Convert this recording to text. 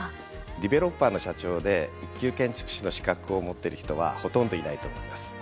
デベロッパーの社長で一級建築士の資格を持ってる人はほとんどいないと思います。